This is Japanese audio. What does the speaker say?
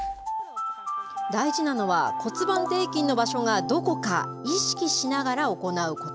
大事なのは、骨盤底筋の場所がどこか、意識しながら行うこと。